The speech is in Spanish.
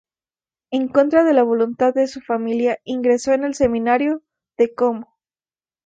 En contra de la voluntad de su familia ingresó en el seminario de Como.